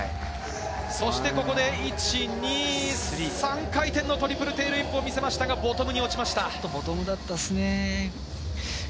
そして、ここで１、２、３回転のトリプルテールウィップを見せましたが、ボトムに落ちました。